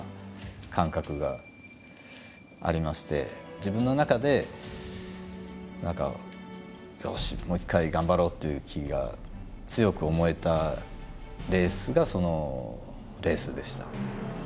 自分の中で何か「よしもう一回頑張ろう」という気が強く思えたレースがそのレースでした。